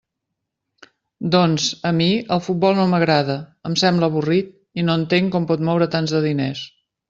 Doncs, a mi, el futbol no m'agrada; em sembla avorrit, i no entenc com pot moure tants de diners.